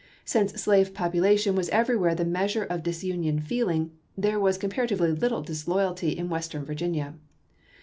Since slave population was everywhere the measure of disunion feeling, there was com paratively little disloyalty in Western Virginia.